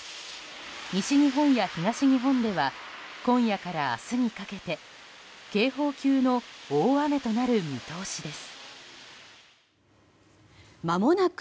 西日本や東日本では今夜から明日にかけて警報級の大雨となる見通しです。